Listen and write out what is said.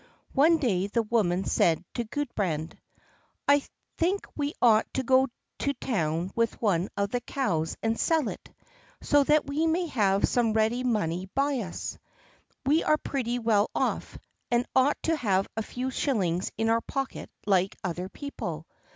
One day the woman said to Gudbrand: "I think we ought to go to town with one of the cows and sell it, so that we may have some ready money by us. We are pretty well off, and ought to have a few shillings in our pocket like other people.